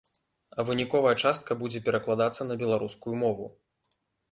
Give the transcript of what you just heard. А выніковая частка будзе перакладацца на беларускую мову.